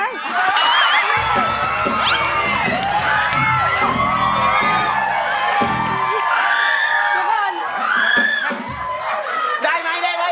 เล่นอะไรกันน่ะอ้ายเด็กอ้ายแรกมันบ้าง